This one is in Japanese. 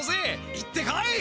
行ってこい！